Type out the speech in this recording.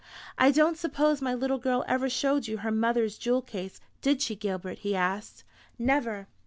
"I don't suppose my little girl ever showed you her mother's jewel case, did she, Gilbert?" he asked. "Never."